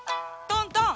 トントン！